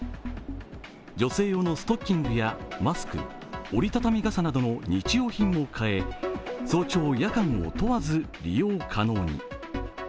女性用のストッキングやマスク折り畳み傘などの日用品も買え、早朝・夜間を問わず利用可能に。